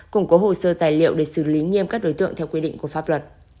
củng cố hồ sơ tài liệu để xử lý nghiêm các đối tượng theo quy định của pháp luật